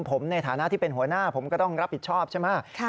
ผมในฐานะที่เป็นหัวหน้าผมก็ต้องรับผิดชอบใช่ไหม